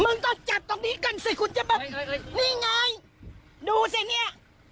มึงต้องจัดตรงนี้กันสิคุณจะป่ะนี่ไงดูสินี่